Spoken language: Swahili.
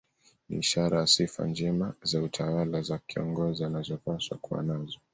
Ni ishara ya sifa njema za utawala za kiongozi anazopaswa kuwa nazo